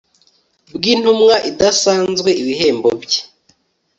bw intumwa idasanzwe ibihembo bye